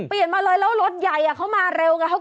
เปลี่ยนมาเลยแล้วรถใหญ่เข้ามาเร็วเหมือนกัน